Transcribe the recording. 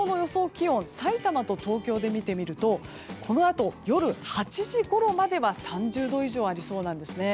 気温をさいたまと東京で見てみるとこのあと夜８時ごろまでは３０度以上ありそうなんです。